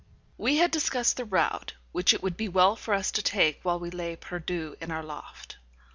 We had discussed the route which it would be well for us to take while we lay perdues in our loft.